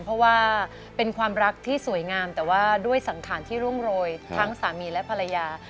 เพราะว่าเป็นความรักที่สวยงามแต่ว่าด้วยสังขารที่ร่วงโรยทั้งสามีและภรรยา